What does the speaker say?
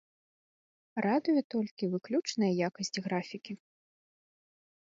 Радуе толькі выключная якасць графікі.